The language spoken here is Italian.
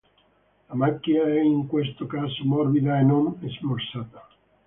La macchia è in questo caso morbida e non smorzata.